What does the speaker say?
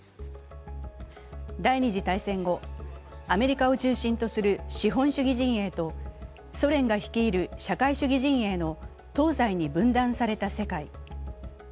第二次大戦後、アメリカを中心とする資本主義陣営とソ連が率いる社会主義陣営の東西に分断された世界。